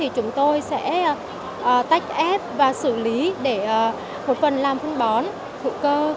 chúng tôi sẽ tách ép và xử lý để một phần làm phân bón hữu cơ